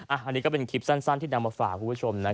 อันนี้ก็เป็นคลิปสั้นที่นำมาฝากคุณผู้ชม